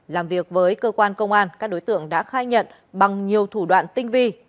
làm việc với cơ quan công an các đối tượng đã khai nhận bằng nhiều thủ đoạn tinh vi